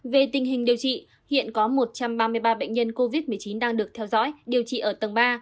về tình hình điều trị hiện có một trăm ba mươi ba bệnh nhân covid một mươi chín đang được theo dõi điều trị ở tầng ba